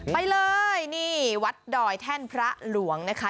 ไปเลยนี่วัดดอยแท่นพระหลวงนะคะ